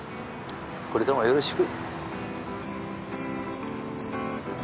これからもよろしく。